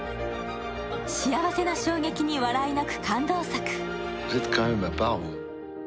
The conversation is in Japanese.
幸せな衝撃に笑い泣く感動作。